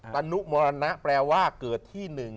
ตนุมรณะแปลว่าเกิดที่๑